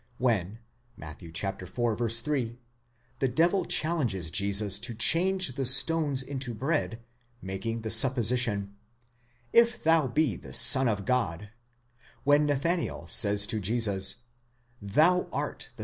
When (Matt. iv. 3) the devil challenges Jesus to change the stones into bread, making the supposition, Jf thou be the Son of God ,; when Nathanael says to Jesus, Zhou art the.